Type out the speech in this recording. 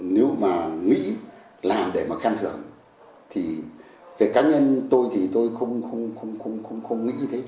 nếu mà nghĩ làm để mà khen thưởng thì về cá nhân tôi thì tôi không nghĩ như thế